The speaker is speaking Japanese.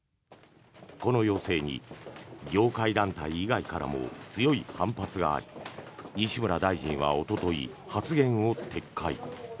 この要請に業界団体以外からも強い反発があり西村大臣はおととい、発言を撤回。